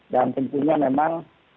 dan tentunya memang